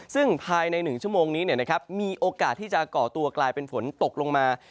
ซึ่งภายใน๑ชั่วโมงนี้มีโอกาสที่จะก่อตัวกลายเป็นฝนตกลงมา